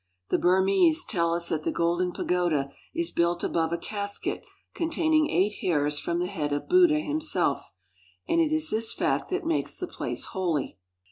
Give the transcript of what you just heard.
The Burmese tell us that the Golden Pagoda is built above a casket containing eight hairs from the head of Buddha himself, and it is this fact that makes the place holy.